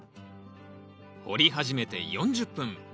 掘り始めて４０分。